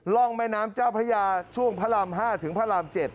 ร่องแม่น้ำเจ้าพระยาช่วงพระราม๕ถึงพระราม๗